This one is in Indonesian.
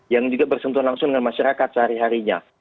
yang juga bersentuhan langsung dengan masyarakat sehari harinya